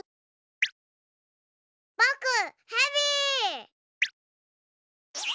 ぼくヘビ！